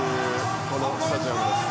このスタジアム。